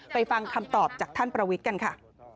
ฟังคำตอบจากท่านประวิทย์กันค่ะ